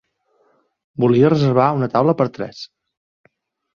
Volia reservar una taula per tres.